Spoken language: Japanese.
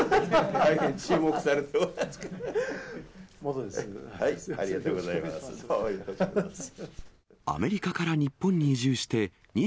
大変注目されてますから。